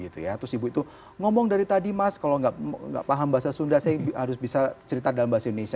terus ibu itu ngomong dari tadi mas kalau nggak paham bahasa sunda saya harus bisa cerita dalam bahasa indonesia